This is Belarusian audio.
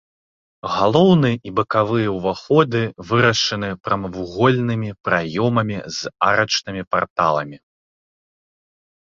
Галоўны і бакавыя ўваходы вырашаны прамавугольнымі праёмамі з арачнымі парталамі.